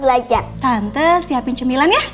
buat masa awal akhirnya